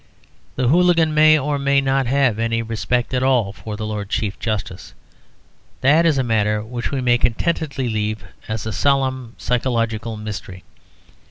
The hooligan may or may not have any respect at all for the Lord Chief Justice: that is a matter which we may contentedly leave as a solemn psychological mystery.